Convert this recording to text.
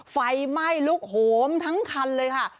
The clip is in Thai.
ไฟไหม้ลุกโหมทั้งคันเลยค่ะ